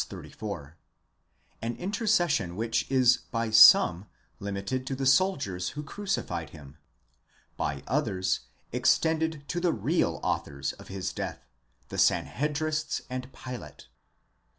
34); am intercession which is by some limited to the soldiers who crucified him,*® by others, extended to the real authors of his death, the Sanhedrists and Pilate.